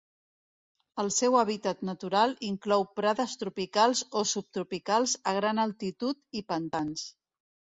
El seu hàbitat natural inclou prades tropicals o subtropicals a gran altitud i pantans.